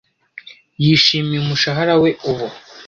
Yishimiye umushahara we ubu.